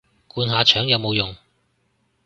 灌下腸有冇用